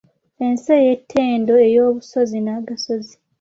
Ensi ey’ettendo ey’obusozi n’agasozi.